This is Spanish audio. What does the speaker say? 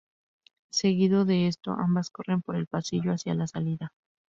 Seguido de esto, ambas corren por el pasillo hacia la salida.